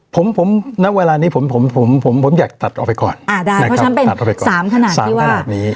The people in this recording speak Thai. ผมผมณเวลานี้ผมผมผมอยากตัดออกไปก่อนอ่าได้เพราะฉะนั้นเป็นสามขนาดที่ว่าขนาดนี้